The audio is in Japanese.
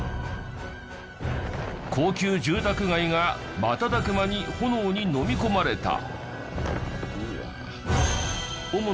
高級住宅街が瞬く間に炎にのみ込まれた。